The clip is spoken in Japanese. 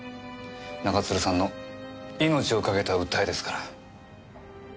中津留さんの命を懸けた訴えですから。